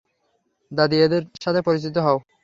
দাদি, এদের সাথে পরিচিত হও।